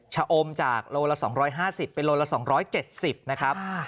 ชะอมจากโลละ๒๕๐เป็นโลละ๒๗๐นะครับ